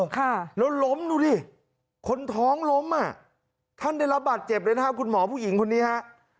ค่ะแล้วล้มดูดิคนท้องล้มอ่ะท่านได้รับบาดเจ็บเลยนะครับคุณหมอผู้หญิงคนนี้ฮะ